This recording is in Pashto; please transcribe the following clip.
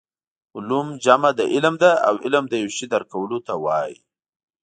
علوم جمع د علم ده او علم د یو شي درک کولو ته وايي